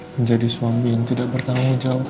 menjadi suami yang tidak bertanggung jawab